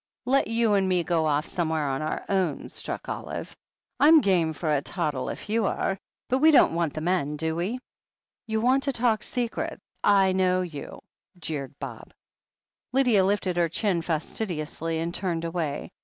"Let you and me go off somewhere on our own," struck in Olive. "Fm game for a toddle, if you are, but we don't want the men, do we ?" "You want to talk secrets — I know you," jeered Bob. Lydia lifted her chin fastidiously and turned away.